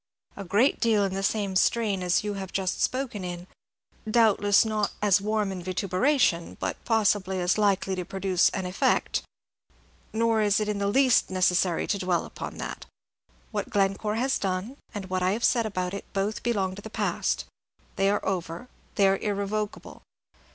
"A great deal in the same strain as you have just spoken in, doubtless not as warm in vituperation, but possibly as likely to produce an effect; nor is it in the least necessary to dwell upon that. What Glencore has done, and what I have said about it, both belong to the past. They are over, they are irrevocable.